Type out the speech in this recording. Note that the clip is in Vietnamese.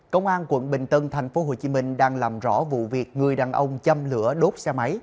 công an quận bình tân tp hcm đang làm rõ vụ việc người đàn ông chăm lửa đốt xe máy